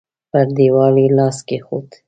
پر دېوال يې لاس کېښود.